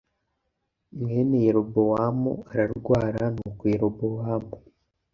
mwene yerobowamu ararwara nuko yerobowamu